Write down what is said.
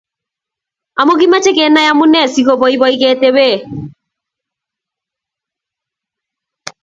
Amu kilimoche Kenai amunee sikoboiboi ketebe